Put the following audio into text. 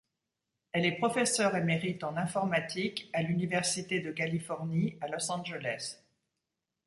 Elle est professeur émérite en informatique à l'Université de Californie à Los Angeles.